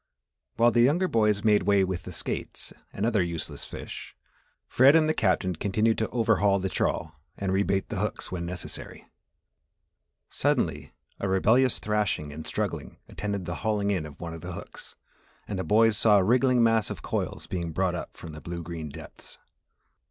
While the younger boys made way with the skates and other useless fish, Fred and the Captain continued to overhaul the trawl and rebait the hooks when necessary. Suddenly, a rebellious thrashing and struggling attended the hauling in of one of the hooks and the boys saw a wriggling mass of coils being brought up from the blue green depths.